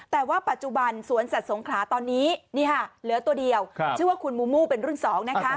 แต่ว่าปัจจุบันสวนสัตว์สงขลาตอนนี้เหลือตัวเดียวชื่อว่าคุณมูมูเป็นรุ่น๒นะคะ